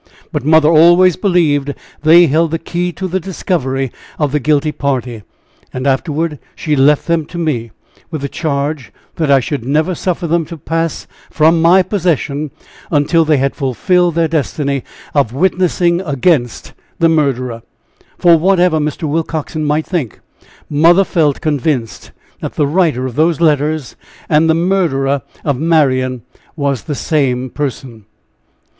But mother always believed they held the key to the discovery of the guilty party; and afterward she left them to me, with the charge that I should never suffer them to pass from my possession until they had fulfilled their destiny of witnessing against the murderer for whatever Mr. Willcoxen might think, mother felt convinced that the writer of those letters and the murderer of Marian was the same person."